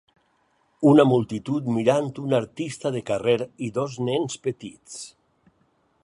Una multitud mirant un artista de carrer i dos nens petits.